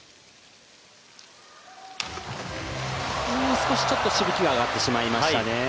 少し、しぶきは上がってしまいましたね。